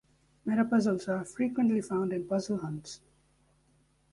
Metapuzzles are frequently found in puzzlehunts.